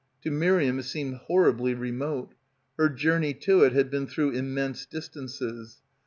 To Miriam it seemed horribly remote. Her journey to it had been through immense dis tances.